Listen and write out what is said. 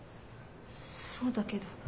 そうだけど。